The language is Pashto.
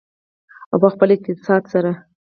او په خپل اقتصاد سره.